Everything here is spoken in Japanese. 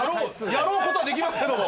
やろう事はできますけども。